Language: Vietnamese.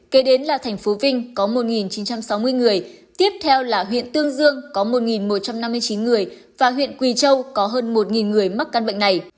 kế đến là thành phố vinh có một chín trăm sáu mươi người tiếp theo là huyện tương dương có một một trăm năm mươi chín người và huyện quỳ châu có hơn một người mắc căn bệnh này